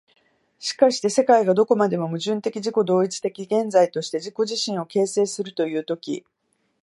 しかして世界がどこまでも矛盾的自己同一的現在として自己自身を形成するという時、